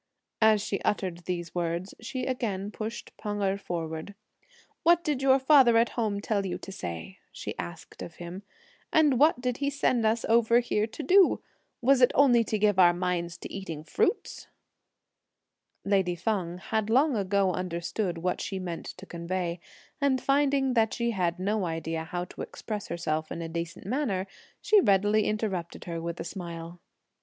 As she uttered these words, she again pushed Pan Erh forward. "What did your father at home tell you to say?" she asked of him; "and what did he send us over here to do? Was it only to give our minds to eating fruit?" Lady Feng had long ago understood what she meant to convey, and finding that she had no idea how to express herself in a decent manner, she readily interrupted her with a smile.